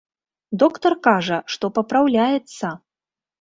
Доктар кажа, што папраўляецца.